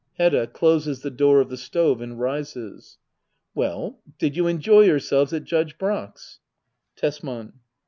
Hedda. [Closes the door of the stove and rises,] Well, did you enjoy yourselves at Judge Brack's ? Tesman.